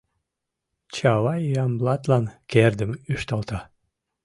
Чавай Ямблатлан кердым ӱшталта.